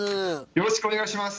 よろしくお願いします。